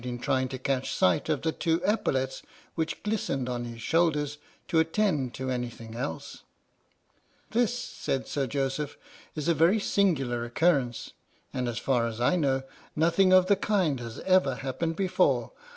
"PINAFORE" in trying to catch sight of the two epaulettes which glistened on his shoulders, to attend to anything else. "This," said Sir Joseph, "is a very singular occurrence, and, as far as I know, nothing of the kind has ever happened before.